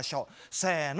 せの。